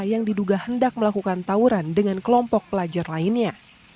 yang diduga hendak melakukan tawuran dengan kelompok pelajar lainnya